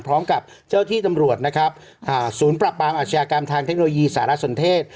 พร้อมกับเจ้าที่ตำรวจนะครับศูนย์ปรับปรามอาชญากรรมทางเทคโนโลยีสารสนเทศ